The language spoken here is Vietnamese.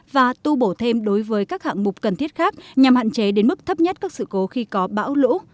và tu bổ thêm đối với các hạng mục cần thiết khác nhằm hạn chế đến mức thấp nhất các sự cố khi có bão lũ